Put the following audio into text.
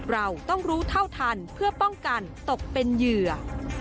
เราต้องรู้เท่าทันเพื่อป้องกันตกเป็นเหยื่อ